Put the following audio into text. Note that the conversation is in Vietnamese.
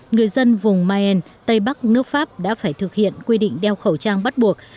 người dân vùng mayen tây bắc nước pháp đã phải thực hiện quy định đeo khẩu trang bắt buộc